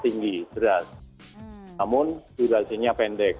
namun durasinya pendek